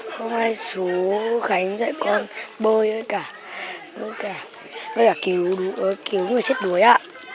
không ai chú khánh dạy con bơi với cả với cả cứu đuối cứu người chết đuối ạ